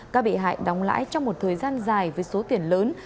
các bị hại đóng lãi trong một thời gian dài với số tiền lớn